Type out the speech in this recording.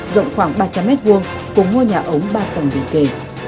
rộng khoảng ba trăm linh m hai cùng ngôi nhà ống ba tầng liền kề